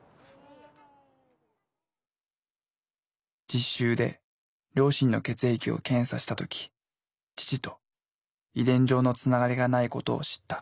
実習で両親の血液を検査した時父と遺伝上のつながりがないことを知った。